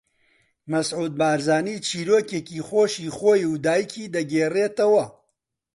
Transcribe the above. مەسعود بارزانی چیرۆکێکی خۆشی خۆی و دایکی دەگێڕیتەوە